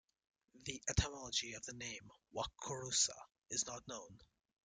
The etymology of the name "Wakarusa" is not known.